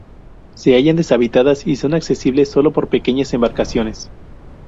Se hallan deshabitadas y son accesibles solo por pequeñas embarcaciones.